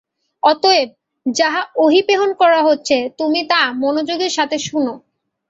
অতএব, যা ওহী প্রেরণ করা হচ্ছে তুমি তা মনোযোগের সাথে শুন!